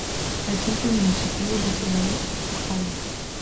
El centro administrativo es la ciudad de Ujjain.